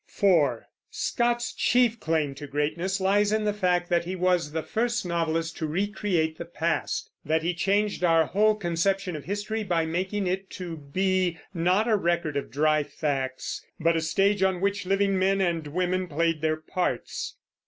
(4) Scott's chief claim to greatness lies in the fact that he was the first novelist to recreate the past; that he changed our whole conception of history by making it to be, not a record of dry facts, but a stage on which living men and women played their parts.